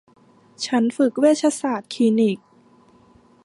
ฉันฝึกเวชศาสตร์คลินิก